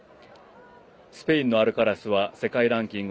スペインのアルカラスは世界ランキング